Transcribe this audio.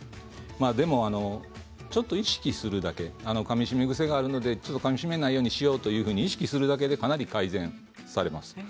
でも、ちょっと意識するだけかみしめ癖があるのでかみしめないようにしようと意識するだけでかなり改善されます。